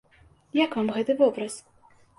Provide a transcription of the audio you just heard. Як вам гэты вобраз?